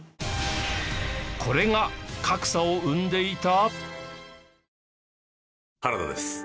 これが格差を生んでいた！？